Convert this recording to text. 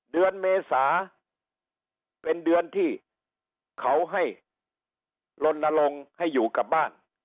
เดือนเมษาเป็นเดือนที่เขาให้ลนลงให้อยู่กับบ้าน